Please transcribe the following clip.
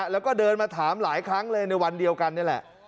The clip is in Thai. แล้วก็เดินมาถามหลายครั้งเลยในวันเดียวกันนี่แหละ